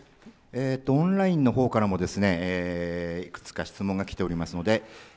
オンラインのほうからもいくつか質問が来ておりますので。